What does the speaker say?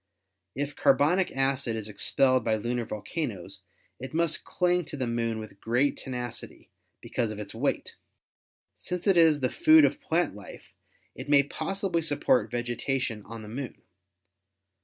If carbonic acid is expelled by lunar volcanoes it must cling to the Moon with great tenacity because of its weight. Since it is the food of plant life, it may possibly support vegetation on the Moon.